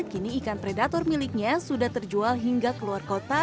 kini ikan predator miliknya sudah terjual hingga keluar kota